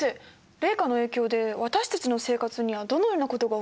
冷夏の影響で私たちの生活にはどのようなことが起きるんですか？